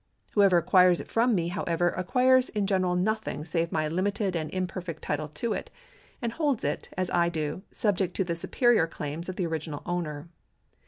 Whoever acquires it from me, however, acquires in general nothing save my limited and imperfect title to it, and holds it, as I do, subject to the superior claims of the original owner.